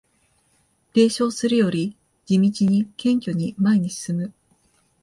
冷笑するより地道に謙虚に前に進む